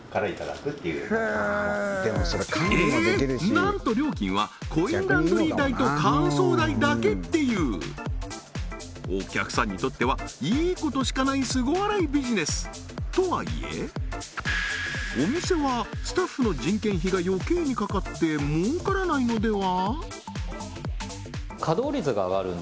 なんと料金はコインランドリー代と乾燥代だけっていうお客さんにとってはいいことしかないスゴ洗いビジネスとはいえお店はスタッフの人件費が余計にかかって儲からないのでは？